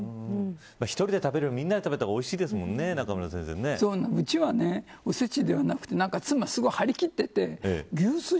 １人で食べるよりみんなで食べたほうがうちは、おせちではなくて妻がすごい張り切ってて。